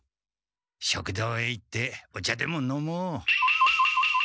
食堂へ行ってお茶でも飲もう。